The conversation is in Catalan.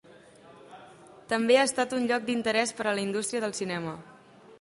També ha estat un lloc d'interès per a la indústria del cinema.